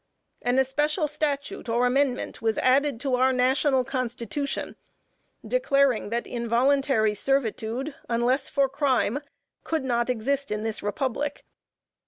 An especial statute or amendment was added to our National Constitution, declaring that involuntary servitude, unless for crime, could not exist in this republic.